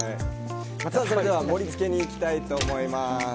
盛り付けにいきたいと思います。